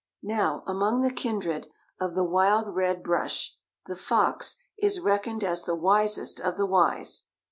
Now among the kindred of the wild Red Brush, the Fox, is reckoned as the wisest of the wise.